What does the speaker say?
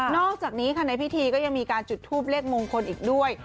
อกจากนี้ค่ะในพิธีก็ยังมีการจุดทูปเลขมงคลอีกด้วย